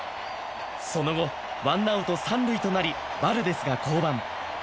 その後、ワンアウト三塁となりバルデスが降板。